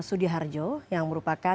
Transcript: sudiharjo yang merupakan